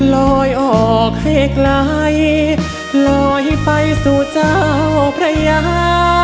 ลอยออกให้ไกลลอยไปสู่เจ้าพระยา